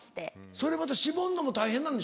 それまた絞るのも大変なんでしょ？